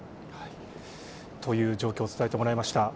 という状況を伝えてもらいました。